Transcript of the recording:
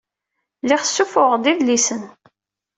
Lliɣ ssuffuɣeɣ-d idlisen.